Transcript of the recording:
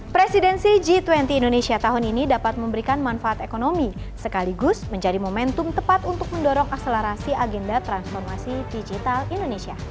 presidensi g dua puluh indonesia tahun ini dapat memberikan manfaat ekonomi sekaligus menjadi momentum tepat untuk mendorong akselerasi agenda transformasi digital indonesia